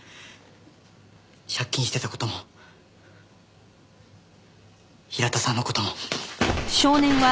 借金してた事も平田さんの事も。